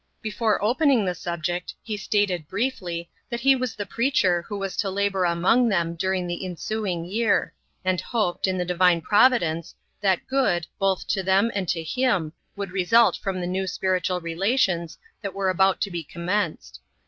Before opening the subject, he stated, briefly, that he was the preacher who was to labour among them during the ensuing year, and hoped, in the Divine Providence, that good, both to them and to him, would result from the new spiritual relations that were about to be commenced.